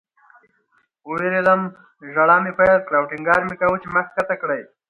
ووېرېدم. ژړا مې پیل کړه او ټینګار مې کاوه چې ما ښکته کړئ